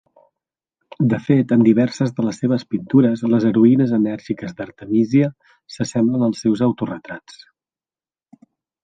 De fet, en diverses de les seves pintures, les heroïnes enèrgiques d'Artemisia s'assemblen als seus autoretrats.